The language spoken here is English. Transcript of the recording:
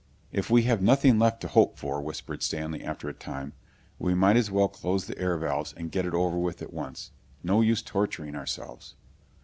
"If we have nothing left to hope for," whispered Stanley after a time, "we might as well close the air valves and get it over with at once. No use torturing ourselves...."